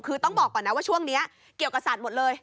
คือต้องบอกก่อนนะว่าช่วงนี้เกี่ยวกับสัตว์หมดเลย